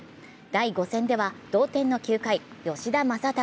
第５戦では同点の９回、吉田正尚。